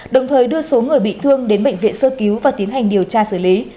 đồng thời đưa số người bị thương đến bệnh viện sơ cứu và tiến hành điều tra xử lý